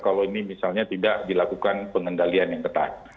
kalau ini misalnya tidak dilakukan pengendalian yang ketat